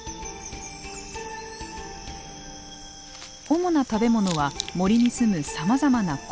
主な食べ物は森に住むさまざまな昆虫。